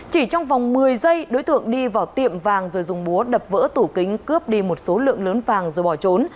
chỉ trong vòng một mươi giây đối tượng đi vào tiệm vàng rồi dùng búa đập vỡ tủ kính cướp đi một số lượng lớn vàng rồi bỏ trốn